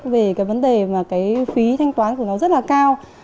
về vấn đề phí thanh toán của nó rất là cao